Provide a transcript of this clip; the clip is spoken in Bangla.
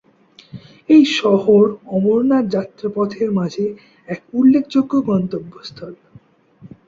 এই শহর অমরনাথ যাত্রা পথের মাঝে এক উল্লেখযোগ্য গন্তব্যস্থল।